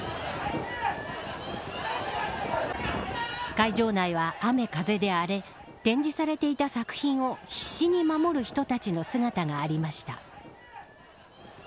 会場内は雨風で荒れ展示されていた作品を必死に守る人たちの姿がありました。